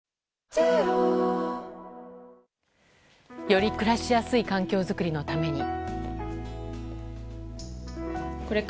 より暮らしやすい環境づくりのために。